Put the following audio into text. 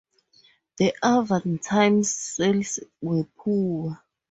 The Avantime's sales were poor.